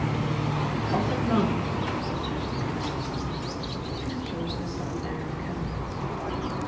"I have offered none," he said drily. She spoke with a sudden air of candor.